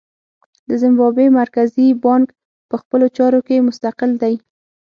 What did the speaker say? د زیمبابوې مرکزي بانک په خپلو چارو کې مستقل دی.